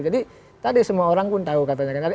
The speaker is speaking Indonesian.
jadi tadi semua orang pun tahu katanya